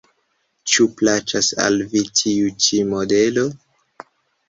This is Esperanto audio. Ĉu plaĉas al vi tiu ĉi modelo?